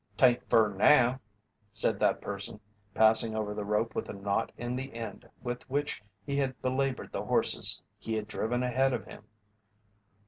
"'Tain't fur now," said that person, passing over the rope with a knot in the end with which he had belaboured the horses he had driven ahead of him.